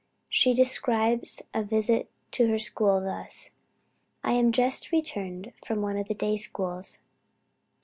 She describes a visit to her school thus: "I am just returned from one of the day schools.